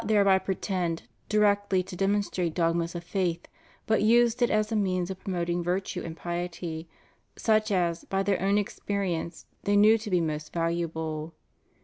289 thereby pretend directly to demonstrate dogmas of faith, but used it as a means of promoting virtue and piety, such as, by their own experience, they knew to be most valu able.